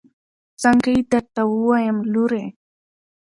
څنګه يې درته ووايم لورې.